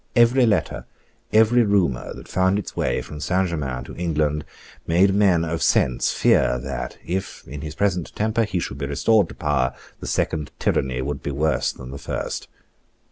Every letter, every rumour, that found its way from Saint Germains to England made men of sense fear that, if, in his present temper, he should be restored to power, the second tyranny would be worse than the first.